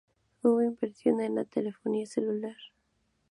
Hubo inversión en la telefonía celular.